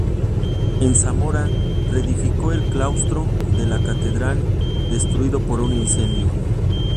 En Zamora reedificó el claustro de la Catedral, destruido por un incendio.